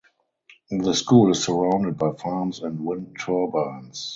The school is surrounded by farms and wind turbines.